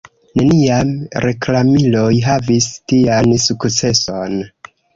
Neniam reklamiloj havis tian sukceson.